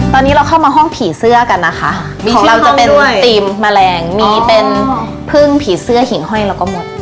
ตอนนี้เราเข้ามาห้องผีเสื้อกันนะคะของเราจะเป็นธีมแมลงมีเป็นพึ่งผีเสื้อหิ่งห้อยเราก็หมด